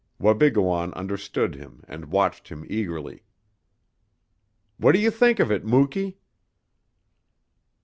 Wabigoon understood him, and watched him eagerly. "What do you think of it, Muky?"